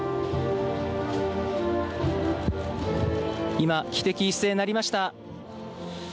今、汽笛が一斉に鳴りました。